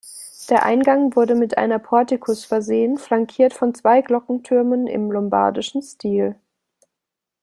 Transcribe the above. Der Eingang wurde mit einer Portikus versehen, flankiert von zwei Glockentürmen im lombardischen Stil.